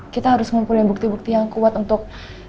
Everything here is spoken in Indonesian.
kita harus mempunyai bukti bukti yang kuat untuk